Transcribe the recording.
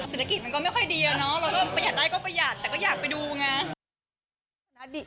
เศรษฐกิจมันก็ไม่ค่อยดีอะเนาะเราก็ประหยัดได้ก็ประหยัดแต่ก็อยากไปดูไง